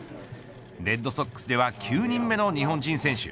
レッドソックスでは９人目の日本人選手。